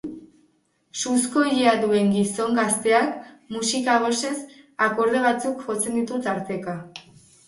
Suzko ilea duen gizon gazteak, musika-gosez, akorde batzuk jotzen ditu tarteka.